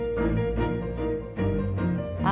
あ！